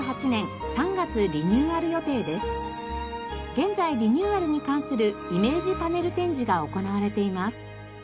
現在リニューアルに関するイメージパネル展示が行われています。